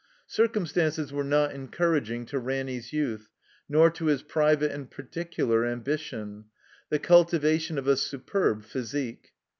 Circumstances were not encouraging to Ranny's youth, nor to his private and particular ambition, the cultivation of a superb physique.